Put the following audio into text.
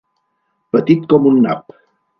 Petit com un nap.